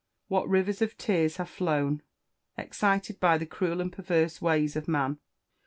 What rivers of tears have flown, excited by the cruel and perverse ways of man!